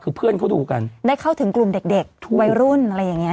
คือเพื่อนเขาดูกันได้เข้าถึงกลุ่มเด็กเด็กวัยรุ่นอะไรอย่างเงี้